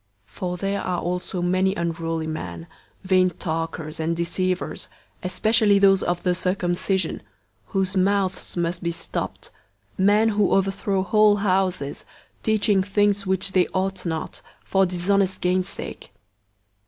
001:010 For there are also many unruly men, vain talkers and deceivers, especially those of the circumcision, 001:011 whose mouths must be stopped; men who overthrow whole houses, teaching things which they ought not, for dishonest gain's sake.